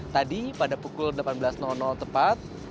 tadi pada pukul delapan belas tepat